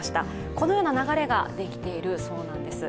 このような流れができているそうなんです。